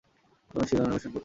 আপনাকেও সেই কারণে অনুসরণ করছি।